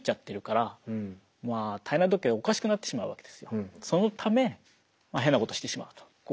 でもそれがそのため変なことをしてしまうと。